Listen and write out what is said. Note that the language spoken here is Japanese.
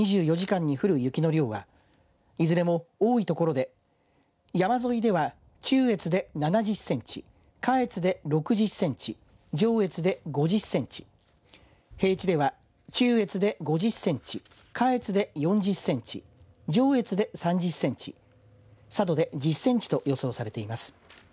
また、あす正午までの２４時間に降る雪の量はいずれも多い所で山沿いでは中越で７０センチ下越で６０センチ上越で５０センチ平地では中越で５０センチ下越で４０センチ上越で３０センチ佐渡で１０センチと予想されています。